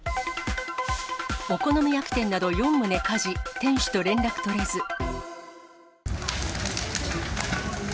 お好み焼き店など４棟火事、店主と連絡取れず。